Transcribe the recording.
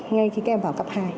ngay khi các em vào cấp hai